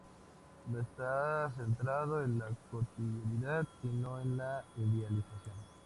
No está centrado en la cotidianeidad, si no en la idealización.